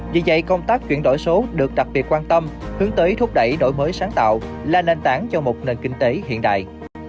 vì vậy công tác chuyển đổi số được đặc biệt quan tâm hướng tới thúc đẩy đổi mới sáng tạo là nền tảng cho một nền kinh tế hiện đại